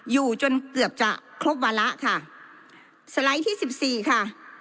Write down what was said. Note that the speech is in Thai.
อยู่จนเกือบจะครบวาระค่ะสไลด์ที่สิบสี่ค่ะ